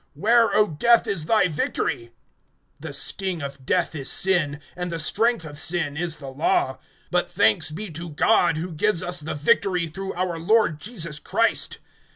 Where, O death, is thy victory? (56)The sting of death is sin; and the strength of sin is the law. (57)But thanks be to God, who gives us the victory, through our Lord Jesus Christ.